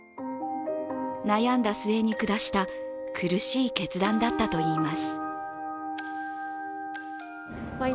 悩んだ末に下した苦しい決断だったといいます。